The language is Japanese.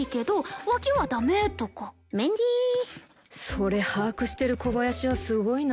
それ把握してる小林はすごいな。